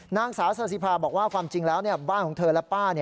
นางสาวซาสิภาบอกว่าความจริงแล้วบ้านของเธอและป้า